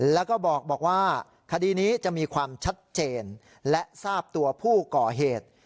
แล้วก็บอกว่าคดีนี้จะมีความชัดเจนและทราบตัวผู้ก่อเหตุ